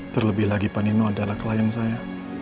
terlebih lagi panino adalah klien saya